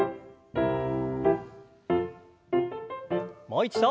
もう一度。